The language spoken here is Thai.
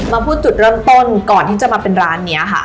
มาพูดจุดเริ่มต้นก่อนที่จะมาเป็นร้านนี้ค่ะ